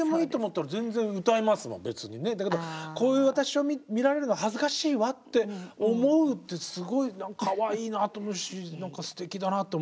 だけどこういう私を見られるの恥ずかしいわって思うってすごいかわいいなと思うし何かすてきだなって思います。